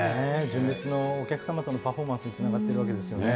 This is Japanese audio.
純烈のお客様とのパフォーマンスにつながっているわけですよね。